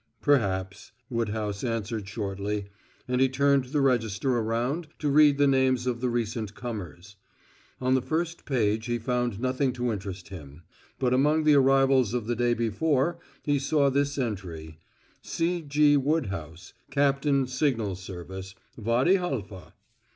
"Perhaps," Woodhouse answered shortly, and he turned the register around to read the names of the recent comers. On the first page he found nothing to interest him; but among the arrivals of the day before he saw this entry: "C. G. Woodhouse, Capt. Sig. Service; Wady Halfa."